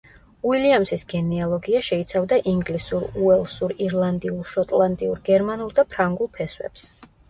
უილიამსის გენეალოგია შეიცავდა ინგლისურ, უელსურ, ირლანდიურ, შოტლანდიურ, გერმანულ და ფრანგულ ფესვებს.